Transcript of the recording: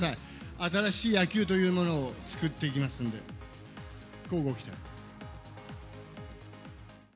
新しい野球というものを作っていきますので、こうご期待。